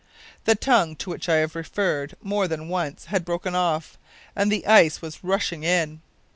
The tongue to which I have referred more than once had broken off, and the ice was rushing in.